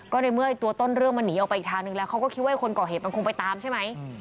ก็ในเมื่อตัวต้นเรื่องมันหนีออกไปอีกทางนึงแล้วเขาก็คิดว่าคนก่อเหตุมันคงไปตามใช่ไหม